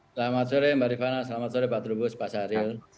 selamat sore mbak rifana selamat sore pak trubus pak syahril